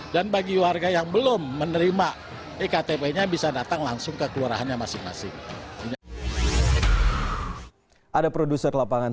bagi warga yang belum menerima ektp nya bisa datang langsung ke kelurahannya masing masing